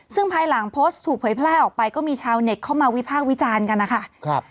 ซึ่งภายหลังโพสต์ถูกเผยแพร่ออกไปก็มีชาวเน็ตเข้ามาวิพากษ์วิจารณ์กันนะคะ